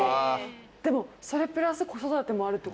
でもそれプラス子育てもあるってことですよね？